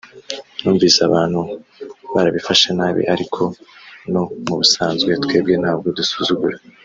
numvise abantu barabifashe nabi ariko no mu busanzwe twebwe ntabwo dusuzugura